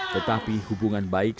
tetapi hubungan baik